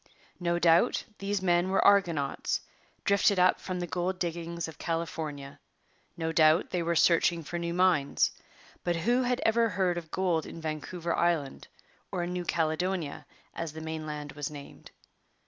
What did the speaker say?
No doubt these men were 'argonauts' drifted up from the gold diggings of California; no doubt they were searching for new mines; but who had ever heard of gold in Vancouver Island, or in New Caledonia, as the mainland was named?